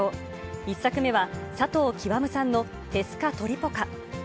１作目は、佐藤究さんのテスカトリポカ。